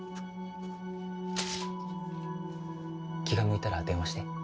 気が向いたら電話して。